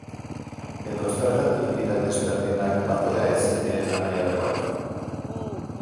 Edo zergatik dira desberdinak batera hezi diren anai-arrebak?